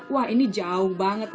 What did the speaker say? wah ini jauh banget